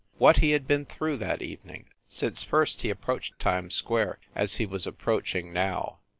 What he had been through that evening, since first he approached Times Square, as he was approaching now